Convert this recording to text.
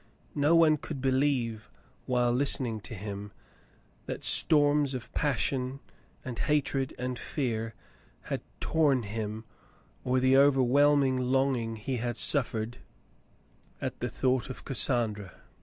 No one could believe, while listening to him, that storms of passion and hatred and fear had torn him, or the overwhelming longing he had suffered at the thought of Cassandra.